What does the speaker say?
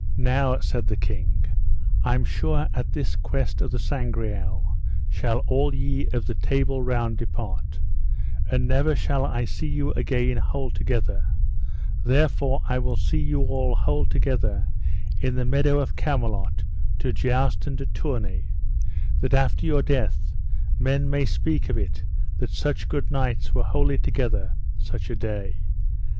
Now, said the king, I am sure at this quest of the Sangreal shall all ye of the Table Round depart, and never shall I see you again whole together; therefore I will see you all whole together in the meadow of Camelot to joust and to tourney, that after your death men may speak of it that such good knights were wholly together such a day.